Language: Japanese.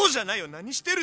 何してるの？